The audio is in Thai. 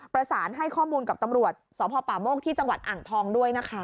ประสานให้ข้อมูลกับตำรวจสพป่าโมกที่จังหวัดอ่างทองด้วยนะคะ